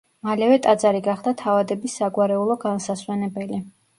მალევე ტაძარი გახდა თავადების საგვარეულო განსასვენებელი.